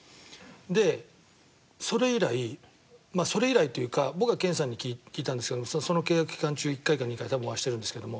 でそれ以来まあそれ以来というか僕が健さんに聞いたんですけどその契約期間中１回か２回多分お会いしてるんですけども。